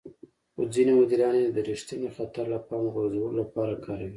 خو ځينې مديران يې د رېښتيني خطر له پامه غورځولو لپاره کاروي.